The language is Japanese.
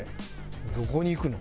どこに行くの？